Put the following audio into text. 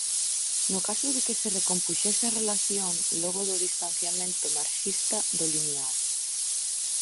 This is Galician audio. No caso de que se recompuxese a relación, logo do distanciamento "marxista" do limiao.